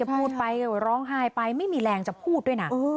พูดไปก็ร้องไห้ไปไม่มีแรงจะพูดด้วยนะ